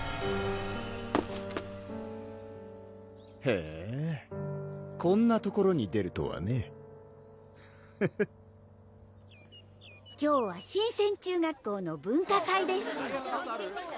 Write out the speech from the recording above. へぇこんな所に出るとはねフフッ今日はしんせん中学校の文化祭です